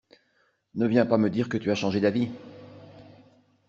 Ne viens pas me dire que tu as changé d'avis.